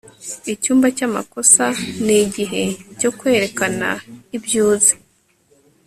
icyumba cyamakosa nigihe cyo kwerekana ibyo uzi